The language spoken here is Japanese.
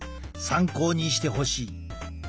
参考にしてほしい。